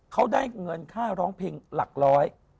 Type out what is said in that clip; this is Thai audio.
เขาได้เงินค่าร้องเพลงหลักร้อย